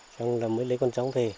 xong là mới lấy con sống về